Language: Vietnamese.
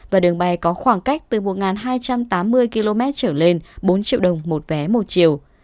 và đường bay có khoảng cách từ một hai trăm tám mươi km trở lên bốn triệu đồng một vé một chiều